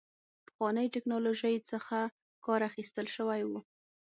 پخوانۍ ټکنالوژۍ څخه کار اخیستل شوی و.